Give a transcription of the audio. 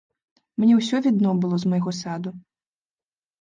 Мне ўсё відно было з майго саду.